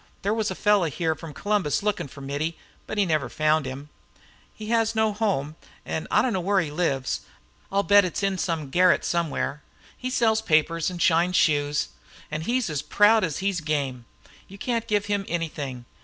There was a fellow here from Columbus looking for Mittie, but never found him. He has no home, and I don't know where he lives. I'll bet it's in a garret somewhere. He sells papers and shines shoes. And he's as proud as he's game you can't give him anything.